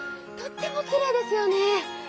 とてもきれいですよね。